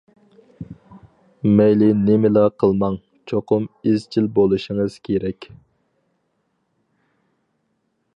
مەيلى نېمىلا قىلماڭ، چوقۇم ئىزچىل بولۇشىڭىز كېرەك.